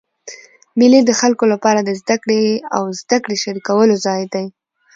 مېلې د خلکو له پاره د زدهکړي او زدهکړي شریکولو ځای دئ.